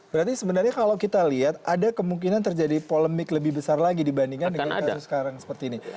berarti sebenarnya kalau kita lihat ada kemungkinan terjadi polemik lebih besar lagi dibandingkan dengan kasus sekarang seperti ini